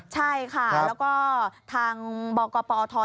ใช่ค่ะแล้วก็ทางบกปท